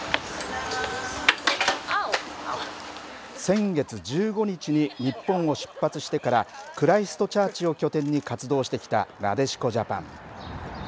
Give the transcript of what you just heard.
先月１５日に日本を出発してからクライストチャーチを拠点に活動してきたなでしこジャパン。